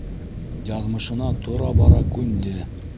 Яҙмышына тора-бара күнде.